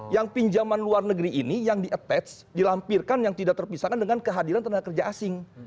yang pinjaman luar negeri ini yang di attach dilampirkan yang tidak terpisahkan dengan kehadiran tenaga kerja asing